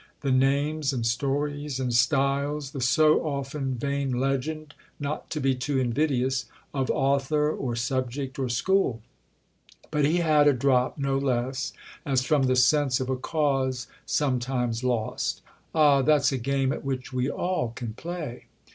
"The names and stories and styles—the so often vain legend, not to be too invidious—of author or subject or school?" But he had a drop, no less, as from the sense of a cause sometimes lost. "Ah, that's a game at which we all can play!"